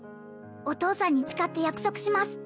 お父さんに誓って約束します